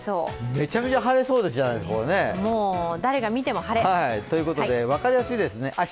めちゃめちゃ晴れそうじゃないですか、これね。ということで分かりやすいですね。